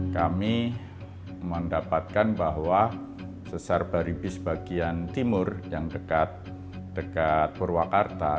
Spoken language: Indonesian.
kami mendapatkan bahwa sesar baribis bagian timur yang dekat purwakarta